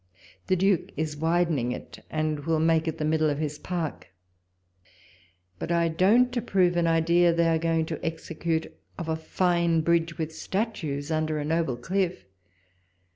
The Duke is widening it, and will make it the middle of his park ; but I don't approve an idea they are going to execute, of a fine bridge with statues under a noble cliff.